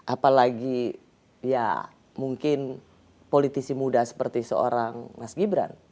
apalagi ya mungkin politisi muda seperti seorang mas gibran